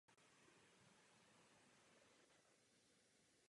Při bohoslužbách vystupuje farní sbor a schola.